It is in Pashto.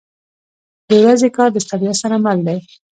• د ورځې کار د ستړیا سره مل دی.